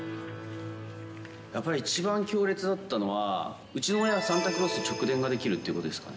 やっぱり一番強烈だったのは、うちの親がサンタクロースと直電ができるということですかね。